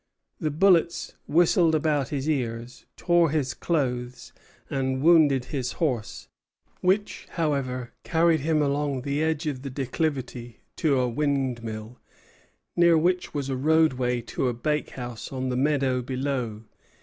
The bullets whistled about his ears, tore his clothes, and wounded his horse; which, however, carried him along the edge of the declivity to a windmill, near which was a roadway to a bakehouse on the meadow below.